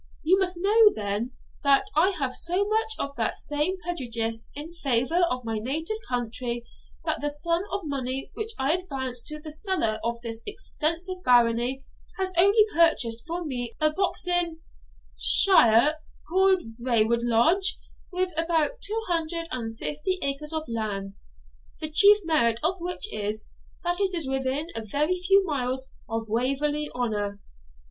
You must know, then, that I have so much of that same prejudice in favour of my native country, that the sum of money which I advanced to the seller of this extensive barony has only purchased for me a box in shire, called Brere wood Lodge, with about two hundred and fifty acres of land, the chief merit of which is, that it is within a very few miles of Waverley Honour.'